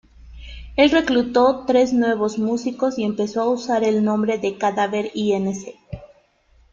El reclutó tres nuevos músicos, y empezó a usar el nombre de Cadáver Inc.